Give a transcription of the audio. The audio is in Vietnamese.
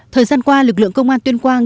thời gian qua lực lượng công an tuyên quang